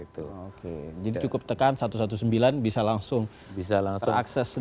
oke jadi cukup tekan satu ratus sembilan belas bisa langsung mengakses